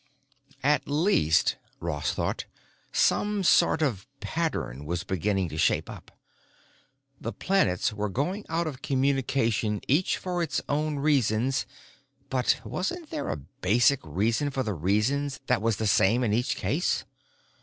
At least, Ross thought, some sort of a pattern was beginning to shape up. The planets were going out of communication each for its own reason; but wasn't there a basic reason for the reasons that was the same in each case?